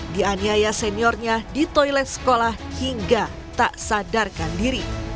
dianiaya seniornya di toilet sekolah hingga tak sadarkan diri